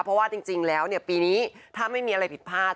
เพราะว่าจริงแล้วปีนี้ถ้าไม่มีอะไรผิดพลาด